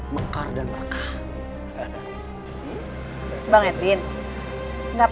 maafkan ibu punah